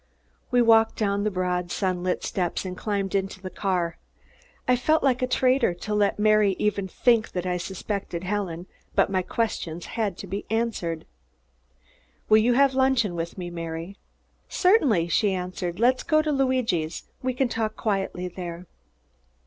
We walked down the broad sunlit steps and climbed into the car. I felt like a traitor to let Mary even think that I suspected Helen, but my questions had to be answered. "Will you have luncheon with me, Mary?" "Certainly," she answered. "Let's go to Luigi's. We can talk quietly there."